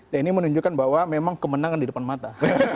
dan ini menunjukkan bahwa memang kemenangan di depan mata